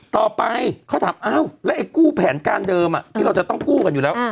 ต่อไปเขาถามอ้าวแล้วไอ้กู้แผนการเดิมที่เราจะต้องกู้กันอยู่แล้ว